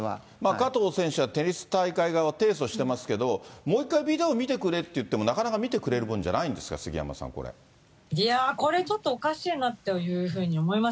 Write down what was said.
加藤選手はテニス大会側を提訴してますけれども、もう一回、ビデオ見てくれって言っても、なかなか見てくれるものじゃないんですか、これちょっと、おかしいなというふうに思います。